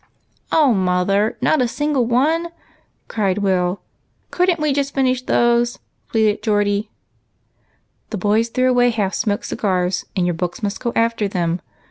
"O mother! not a single one?" cried Will. "Could n't we just finish those?" pleaded Geordie. "The boys threw away half smoked cigars; and your books must go after them.